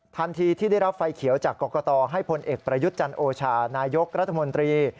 ทันทีที่ได้รับไฟเขียวจากกรกตให้พลเอกประยุทธ์จันโอชานายกรัฐมนตรี